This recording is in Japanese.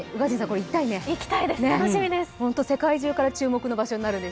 行きたいです。